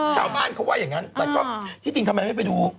ชาวบ้านเขาว่าอย่างนั้นแต่ก็ที่จริงทำไมไม่ไปดู